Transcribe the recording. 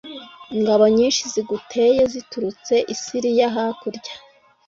ingabo nyinshi ziguteye ziturutse i siriya hakurya